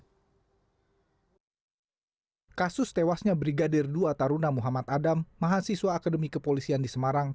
kasus tewasnya brigadir dua taruna muhammad adam mahasiswa akademi kepolisian di semarang